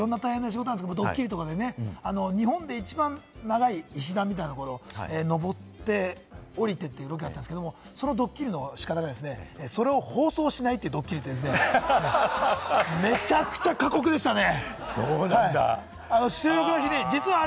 私は大変な仕事、ドッキリとか日本で一番長い石段みたいなところを登って下りてというロケだったんですけれども、そのドッキリの仕方がですね、放送しないというドッキリでですね、めちゃくちゃ過酷でしたね。